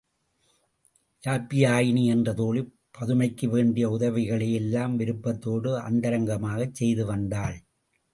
யாப்பியாயினி என்ற தோழி பதுமைக்கு வேண்டிய உதவிகளை எல்லாம் விருப்பத்தோடு அந்தரங்கமாகச் செய்து வந்தாள்.